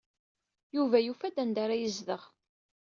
Yuba yufa-d anda ara yezdeɣ.